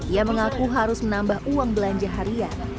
ia mengaku harus menambah uang belanja harian